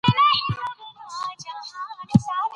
که ته غواړې د اګوستين په اړه پوه شې نو د هغه کتاب ولوله.